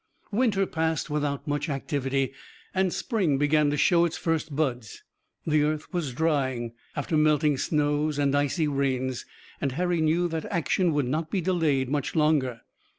Winter passed without much activity and spring began to show its first buds. The earth was drying, after melting snows and icy rains, and Harry knew that action would not be delayed much longer.